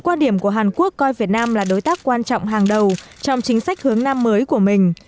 quan điểm của hàn quốc coi việt nam là đối tác quan trọng hàng đầu trong chính sách hướng nam mới của mình